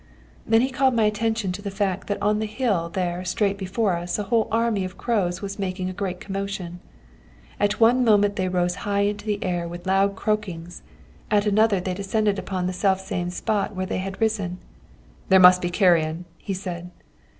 "Then he called my attention to the fact that on the hill there straight before us, a whole army of crows was making a great commotion. At one moment they rose high into the air with loud croakings, at another they descended upon the self same spot from which they had risen. 'There must be carrion,' he said.